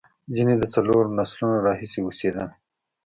ځینې د څلورو نسلونو راهیسې اوسېدل.